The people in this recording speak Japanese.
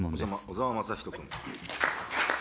小沢雅仁君。